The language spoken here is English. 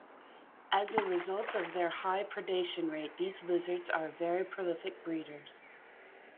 As a result of their high predation rate, these lizards are very prolific breeders.